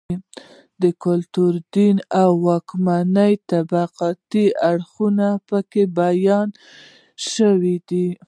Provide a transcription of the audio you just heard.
د کلتور، دین او واکمنې طبقې اړخونه په کې بیان شوي